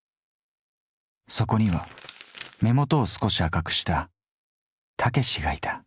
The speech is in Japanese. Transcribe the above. そこには目元を少し赤くしたタケシがいた。